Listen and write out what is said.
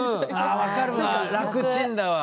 分かるわ楽ちんだわ。